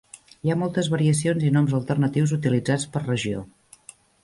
Hi ha moltes variacions i noms alternatius utilitzats per regió.